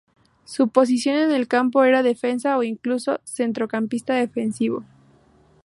Su posición en el campo era defensa o incluso centrocampista defensivo.